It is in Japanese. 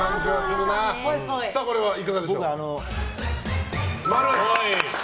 これはいかがでしょう。